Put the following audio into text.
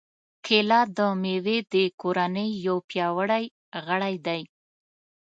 کېله د مېوې د کورنۍ یو پیاوړی غړی دی.